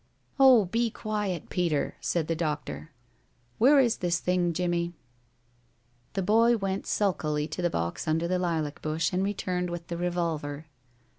"Oh, be quiet, Peter!" said the doctor. "Where is this thing, Jimmie?" The boy went sulkily to the box under the lilac bush and returned with the revolver.